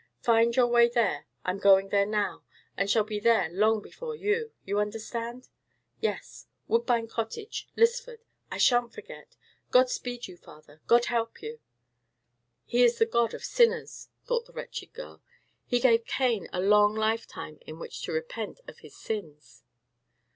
Find your way there—I'm going there now, and shall be there long before you—you understand?" "Yes; Woodbine Cottage, Lisford—I shan't forget! God speed you, father!—God help you!" "He is the God of sinners," thought the wretched girl. "He gave Cain a long lifetime in which to repent of his sins."